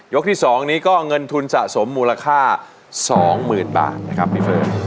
ที่๒นี้ก็เงินทุนสะสมมูลค่า๒๐๐๐บาทนะครับพี่เฟิร์น